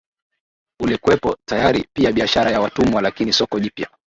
ulikuwepo tayari pia biashara ya watumwa Lakini soko jipya